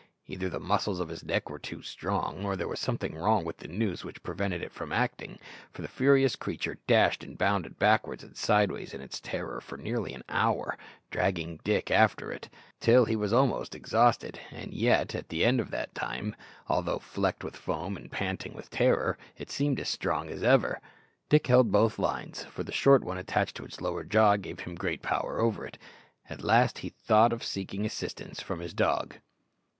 Either the muscles of his neck were too strong, or there was something wrong with the noose which prevented it from acting, for the furious creature dashed and bounded backwards and sideways in its terror for nearly an hour, dragging Dick after it, till he was almost exhausted; and yet, at the end of that time, although flecked with foam and panting with terror, it seemed as strong as ever. Dick held both lines, for the short one attached to its lower jaw gave him great power over it. At last he thought of seeking assistance from his dog.